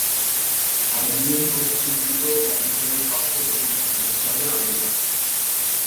I B M প্রস্তুতকৃত কম্পিউটারের শক্ত প্রতিদ্বন্দ্বী হিসাবে আবির্ভাব।